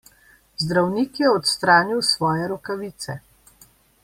Zdravnik je odstranil svoje rokavice.